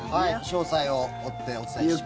詳細を追ってお伝えします。